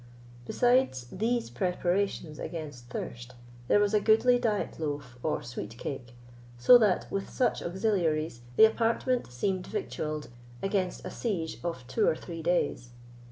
Besides these preparations against thirst, there was a goodly diet loaf, or sweet cake; so that, with such auxiliaries, the apartment seemed victualled against a siege of two or three days.